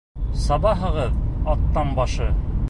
Сабаһығыҙ, атаң башы!